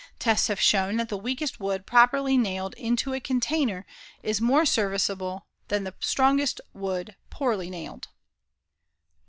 Tests have shown that the weakest wood properly nailed into a container is more serviceable than the strongest wood poorly nailed.